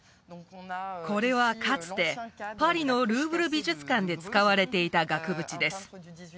これはかつてパリのルーブル美術館で使われていた額縁です